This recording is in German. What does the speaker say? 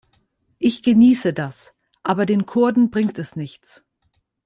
Ich genieße das, aber den Kurden bringt es nichts.